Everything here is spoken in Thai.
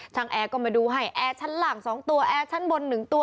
แอร์ก็มาดูให้แอร์ชั้นหลัง๒ตัวแอร์ชั้นบน๑ตัว